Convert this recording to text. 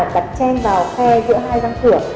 đặt chen vào khe giữa hai răng cửa